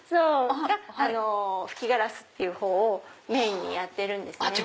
吹きガラスっていうほうをメインにやってるんですね。